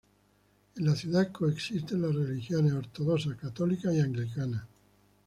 En la ciudad coexisten las religiones Ortodoxa, Católica y Anglicana.